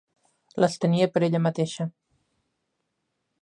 Les tenia per a ella mateixa.